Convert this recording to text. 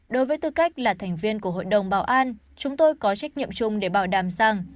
đối với tư cách là thành viên của hội đồng bảo an chúng tôi có trách nhiệm chung để bảo đảm rằng